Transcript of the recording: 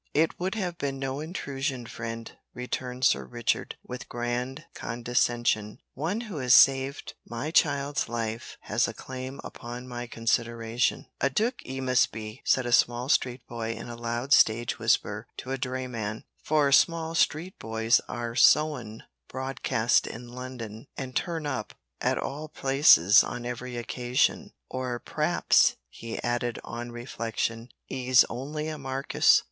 "It would have been no intrusion, friend," returned Sir Richard, with grand condescension. "One who has saved my child's life has a claim upon my consideration." "A dook 'e must be," said a small street boy in a loud stage whisper to a dray man for small street boys are sown broadcast in London, and turn up at all places on every occasion, "or p'raps," he added on reflection, "'e's on'y a markiss."